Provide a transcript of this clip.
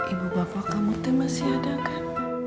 ibu bapak kamu tuh masih ada kan